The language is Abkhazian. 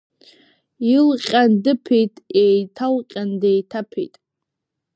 Илҟьан дыԥеит, еиҭалҟьан деиҭаԥеит…